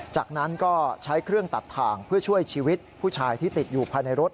จากนั้นก็ใช้เครื่องตัดถ่างเพื่อช่วยชีวิตผู้ชายที่ติดอยู่ภายในรถ